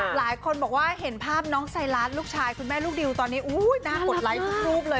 หลายคนบอกว่าเห็นภาพน้องไซรัสลูกชายคุณแม่ลูกดิวตอนนี้น่ากดไลค์ทุกรูปเลย